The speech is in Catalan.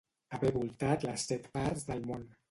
Haver voltat les set parts del món.